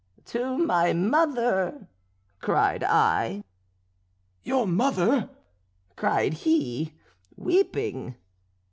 "'To my mother!' cried I. "'Your mother!' cried he, weeping.